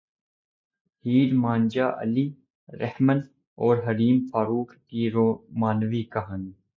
ہیر مان جا علی رحمن اور حریم فاروق کی رومانوی کہانی